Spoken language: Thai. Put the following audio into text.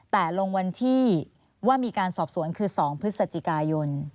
แต่ลงวันที่ว่ามีการสอบสวนคือ๒พฤศจิกายน